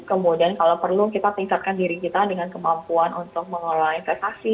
kemudian kalau perlu kita tingkatkan diri kita dengan kemampuan untuk mengelola investasi